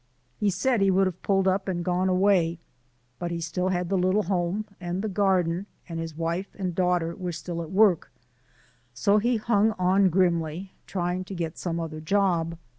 He said he would have pulled up and gone away, but he still had the little home and the garden, and his wife and daughter were still at work, so he hung on grimly, trying to get some other job.